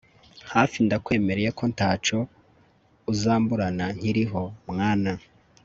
hafi ndakwemereye ko taco uzomburana nkiriho……Mwana